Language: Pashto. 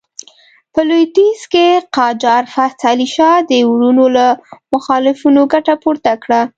په لوېدیځ کې قاجار فتح علي شاه د وروڼو له مخالفتونو ګټه پورته کړه.